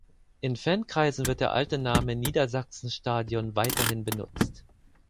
In Fankreisen wird der alte Name Niedersachsenstadion weiterhin benutzt.